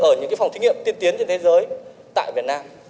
ở những phòng thí nghiệm tiên tiến trên thế giới tại việt nam